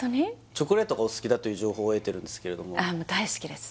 チョコレートがお好きだという情報を得てるんですけれどもああもう大好きです